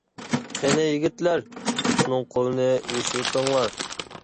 — قېنى يىگىتلەر، ئۇنىڭ قولىنى يېشىۋېتىڭلار.